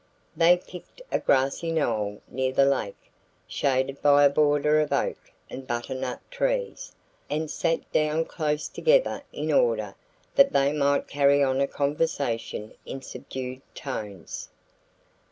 They picked a grassy knoll near the lake, shaded by a border of oak and butternut trees, and sat down close together in order that they might carry on a conversation in subdued tones.